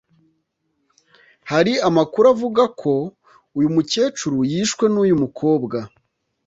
Hari amakuru avuga ko uyu mucekuru yishwe n’uyu mukobwa